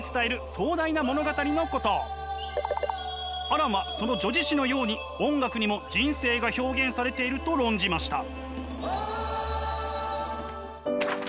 アランはその叙事詩のように音楽にも人生が表現されていると論じました。